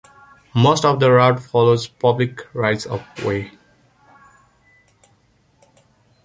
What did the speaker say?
Most of the route follows Public Rights of Way.